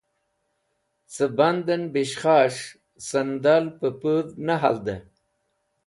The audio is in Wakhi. Cẽ bandẽn beshkhas̃h sendal pẽ pũdh ne haldẽ.